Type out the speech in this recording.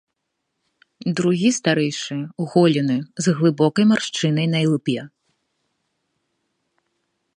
Другі, старэйшы, голены, з глыбокай маршчынай на ілбе.